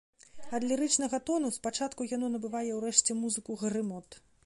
Ад лірычнага тону спачатку яно набывае ўрэшце музыку грымот.